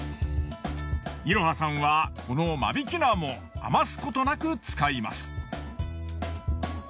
いろはさんはこの間引き菜も余すことなく使います。